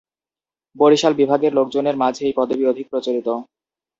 বরিশাল বিভাগের লোকজনের মাঝে এই পদবি অধিক প্রচলিত।